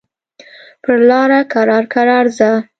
پر لاره کرار کرار ځه.